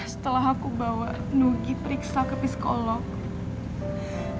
setelah aku bawa nugi periksa ke psikolog